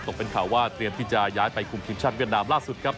ตกเป็นข่าวว่าเตรียมที่จะย้ายไปคุมทีมชาติเวียดนามล่าสุดครับ